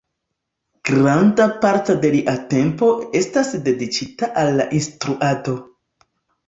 Granda parto de lia tempo estas dediĉita al la instruado.